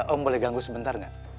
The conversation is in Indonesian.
om boleh ganggu sebentar gak